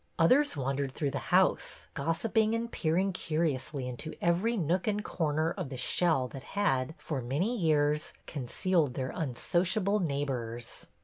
Others wandered through the house, gos siping and peering curiously into every nook and corner of the shell that had, for many years, con cealed their unsociable neighbors.